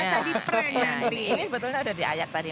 ini sebetulnya udah diayak tadi